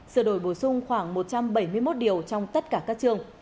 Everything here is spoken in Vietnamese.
sửa đổi bổ sung khoảng một trăm bảy mươi một điều trong tất cả các trường